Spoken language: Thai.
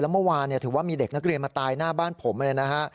เมื่อวานถือว่ามีเด็กนักเรียนมาตายหน้าบ้านผมเลยนะฮะ